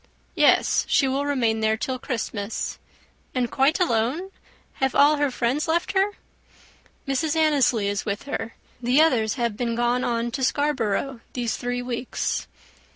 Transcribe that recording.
"Yes; she will remain there till Christmas." "And quite alone? Have all her friends left her?" "Mrs. Annesley is with her. The others have been gone on to Scarborough these three weeks."